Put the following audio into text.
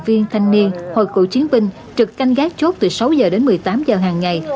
và các nhân viên thanh niên hội cụ chiến binh trực canh gác chốt từ sáu giờ đến một mươi tám giờ hàng ngày